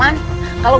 kalau gitu mah aduh